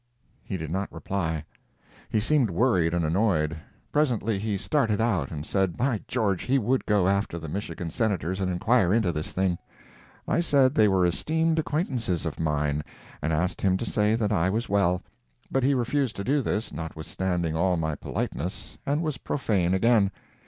He did not reply. He seemed worried and annoyed. Presently he started out, and said by George he would go after the Michigan Senators and inquire into this thing. I said they were esteemed acquaintances of mine, and asked him to say that I was well. But he refused to do this, notwithstanding all my politeness, and was profane again.